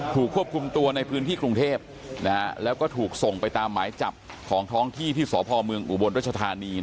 ถูกควบคุมตัวในพื้นที่กรุงเทพแล้วก็ถูกส่งไปตามหมายจับของท้องที่ที่สพเมืองอุบลรัชธานี